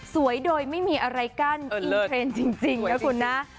สวยโดยไม่มีอะไรกั้นอินเทรนด์จริงนะคุณนะ